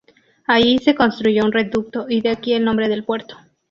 Allí se construyó un reducto y de aquí el nombre del puerto.